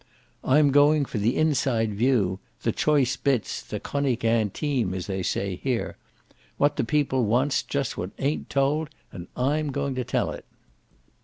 I'm going for the inside view, the choice bits, the chronique intime, as they say here; what the people want's just what ain't told, and I'm going to tell it.